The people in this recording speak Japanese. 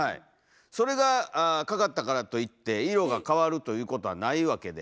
それがかかったからといって色が変わるということはないわけで。